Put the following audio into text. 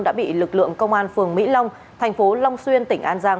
đã bị lực lượng công an phường mỹ long thành phố long xuyên tỉnh an giang